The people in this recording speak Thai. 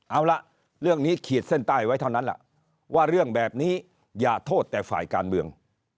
เอาละเรื่องนี้ขีดเส้นใต้ไว้เท่านั้นแหละว่าเรื่องแบบนี้อย่าโทษแต่ฝ่ายการเมือง